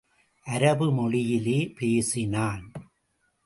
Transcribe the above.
அரபு மொழியிலே பேசினான்.